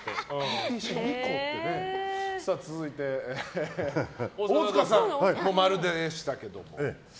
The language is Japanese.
続いて、大塚さんも○でしたけど。